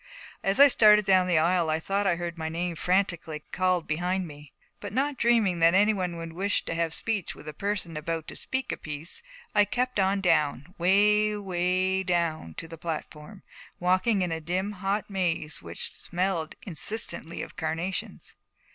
As I started down the aisle I thought I heard my name frantically called behind me; but not dreaming that any one would wish to have speech with a person about to speak a piece, I kept on down, way, way down to the platform, walking in a dim hot maze which smelled insistently of carnations.